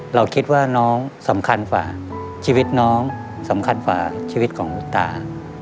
เราคิดว่าน้องสำคัญฝ่าชีวิตน้องสำคัญกว่าชีวิตของคุณตา